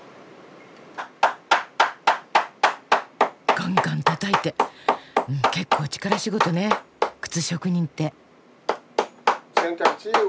ガンガンたたいてうん結構力仕事ね靴職人って。